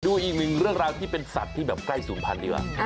ดูอีกหนึ่งเรื่องราวที่เป็นสัตว์ที่แบบใกล้ศูนย์พันธุดีกว่า